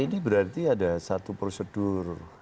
ini berarti ada satu prosedur